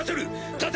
立て！